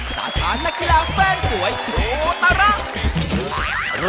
สาธารณ์นักกีฬาแฟนสวยโคตราระ